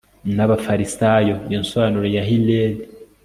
n'abafarisayo, iyo nsobanuro ya hillel